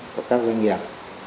của các doanh nghiệp